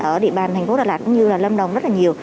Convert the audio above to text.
ở địa bàn thành phố đà lạt cũng như lâm đồng rất nhiều